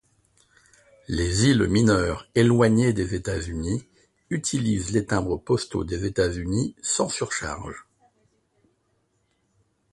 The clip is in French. Les îles mineures éloignées des États-Unis utilisent les timbres postaux des États-Unis, sans surcharge.